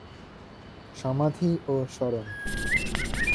সমাধি ও স্মরণ